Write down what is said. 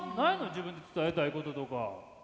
自分で伝えたいこととか。